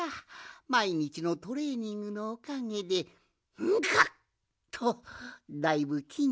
まいにちのトレーニングのおかげでガッとだいぶきんにくがついてきたわい。